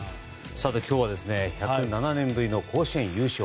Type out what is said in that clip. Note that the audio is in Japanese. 今日は１０７年ぶりの甲子園優勝。